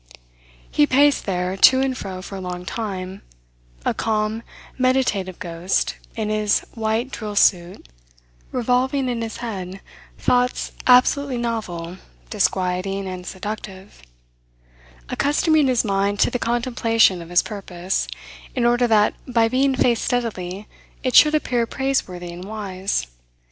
He paced there to and fro for a long time, a calm, meditative ghost in his white drill suit, revolving in his head thoughts absolutely novel, disquieting, and seductive; accustoming his mind to the contemplation of his purpose, in order that by being faced steadily it should appear praiseworthy and wise.